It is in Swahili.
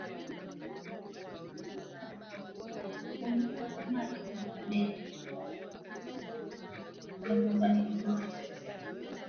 jemadari Mwingereza Mwaka elfu moja mia saba hamsini na tano akawa mkuu wa jeshi